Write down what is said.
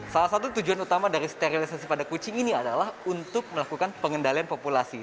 salah satu tujuan utama dari sterilisasi pada kucing ini adalah untuk melakukan pengendalian populasi